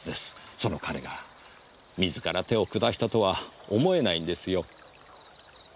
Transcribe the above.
その彼が自ら手を下したとは思えないんですよ。